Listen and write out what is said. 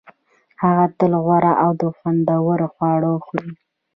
هغه تل غوره او خوندور خواړه خوري